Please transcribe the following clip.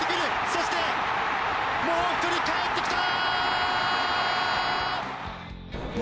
そして、もう１人かえってきた！